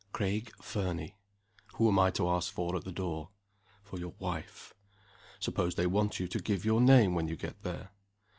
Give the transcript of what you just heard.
"Craig Fernie." "Who am I to ask for at the door?" "For your wife." "Suppose they want you to give your name when you get there?"